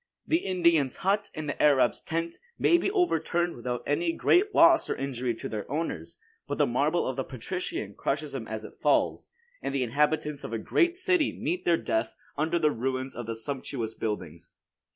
The Indian's hut and the Arab's tent, may be overturned without any great loss or injury to their owners; but the marble of the patrician crushes him as it falls, and the inhabitants of a great city meet their death under the ruins of their sumptuous buildings.